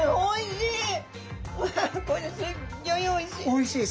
おいしい？